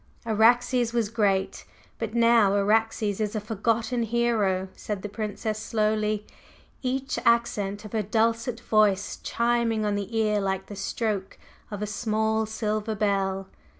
"Araxes was great, but now Araxes is a forgotten hero," said the Princess slowly, each accent of her dulcet voice chiming on the ear like the stroke of a small silver bell.